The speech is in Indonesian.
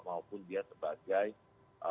maupun dia sebagai pilihan